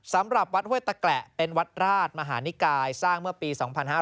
สำหรับวัดห้วยตะแกละเป็นวัดราชมหานิกายสร้างเมื่อปี๒๕๕๙